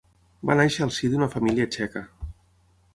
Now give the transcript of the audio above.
Va néixer al si d'una família txeca.